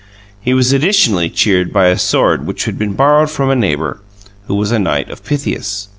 He was additionally cheered by a sword which had been borrowed from a neighbor, who was a Knight of Pythias.